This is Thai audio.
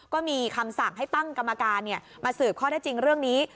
ก็มีคำสั่งให้ตั้งกรรมการมาสืบข้อได้จริงเรื่องนี้